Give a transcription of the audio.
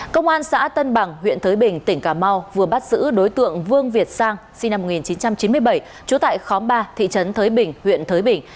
công an xã tân bằng huyện thới bình tỉnh cà mau vừa bắt giữ đối tượng vương việt sang sinh năm một nghìn chín trăm chín mươi bảy trú tại khóm ba thị trấn thới bình huyện thới bình